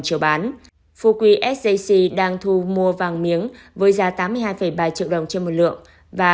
chiều bán phu quý giác đang thu mua vàng miếng với giá tám mươi hai ba triệu đồng trên một lượng và